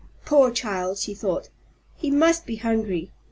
"Poor child!" she thought. "He must be hungry."